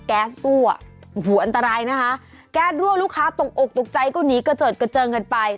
แก๊สรั่วอ่ะโอ้โหอันตรายนะคะแก๊สรั่วลูกค้าตกอกตกใจก็หนีกระเจิดกระเจิงกันไป